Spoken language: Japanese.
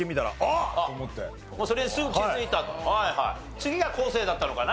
次が昴生だったのかな？